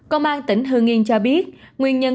công an tỉnh hương yên cho biết nguyên nhân